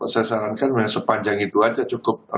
saya sarankan memang sepanjang itu aja cukup